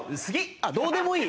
あっどうでもいい。